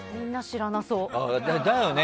だよね。